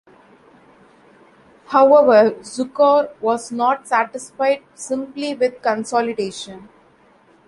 However, Zukor was not satisfied simply with consolidation.